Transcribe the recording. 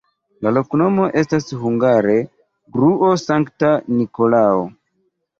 La loknomo estas hungare: gruo-Sankta Nikolao.